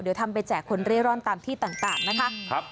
เดี๋ยวทำไปแจกคนเร่ร่อนตามที่ต่างนะคะ